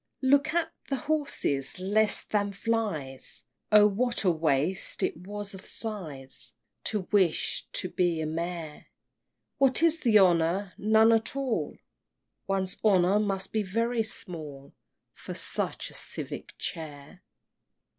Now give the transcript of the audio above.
VIII. Look at the horses! less than flies! Oh, what a waste it was of sighs To wish to be a Mayor! What is the honor? none at all, One's honor must be very small For such a civic chair!